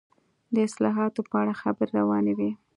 د اصلاحاتو په اړه خبرې روانې وې.